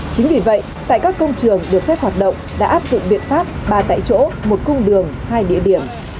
chính vì vậy tại các công trường được phép hoạt động đã áp dụng biện pháp ba tại chỗ một cung đường hai địa điểm